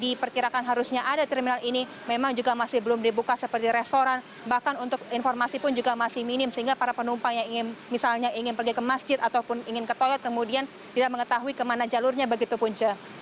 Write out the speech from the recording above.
diperkirakan harusnya ada terminal ini memang juga masih belum dibuka seperti restoran bahkan untuk informasi pun juga masih minim sehingga para penumpang yang misalnya ingin pergi ke masjid ataupun ingin ke toilet kemudian tidak mengetahui kemana jalurnya begitu punca